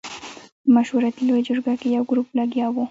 په مشورتي لویه جرګه کې یو ګروپ لګیا وو.